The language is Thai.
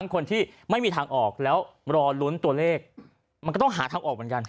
คนที่ไม่มีทางออกแล้วรอลุ้นตัวเลขมันก็ต้องหาทางออกเหมือนกัน